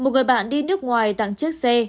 một người bạn đi nước ngoài tặng chiếc xe